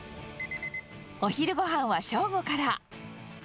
お昼ごはんは正午から。